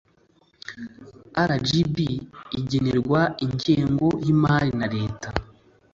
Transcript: rgb igenerwa ingengo y imari na leta